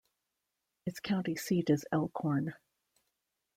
Its county seat is Elkhorn.